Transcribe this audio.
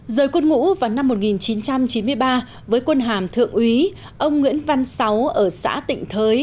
rời quân ngũ vào năm một nghìn chín trăm chín mươi ba với quân hàm thượng úy ông nguyễn văn sáu ở xã tịnh thới